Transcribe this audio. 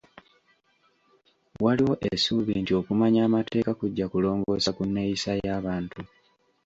Waliwo essuubi nti okumanya amateeka kujja kulongoosa ku nneyisa y'abantu.